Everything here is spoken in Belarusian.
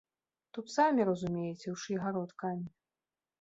Тут самі разумееце, у чый гарод камень.